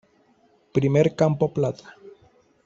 Primer campo plata.